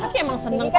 kiki emang seneng kok